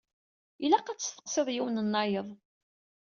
Ilaq ad testeqsiḍ yiwen-nnayeḍ.